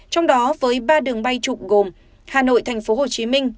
trong đó với ba đường bay trục gồm hà nội tp hcm